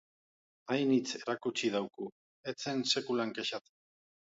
Ainitz erakutsi dauku, ez zen sekulan kexatzen.